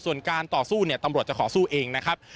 ส่วนการต่อสู้เนี่ยตำรวจจะขอสู้เองนะครับ